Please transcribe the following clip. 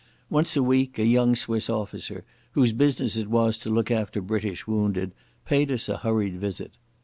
Once a week a young Swiss officer, whose business it was to look after British wounded, paid us a hurried visit.